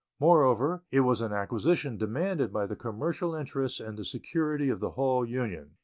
Moreover, it was an acquisition demanded by the commercial interests and the security of the whole Union.